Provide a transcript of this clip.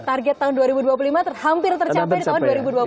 target tahun dua ribu dua puluh lima hampir tercapai di tahun dua ribu dua puluh